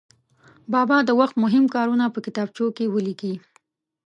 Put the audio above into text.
بابا د وخت مهم کارونه په کتابچو کې ولیکي.